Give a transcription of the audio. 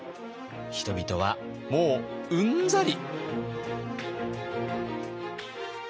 人々はもううんざり。